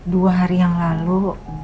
dua hari yang lalu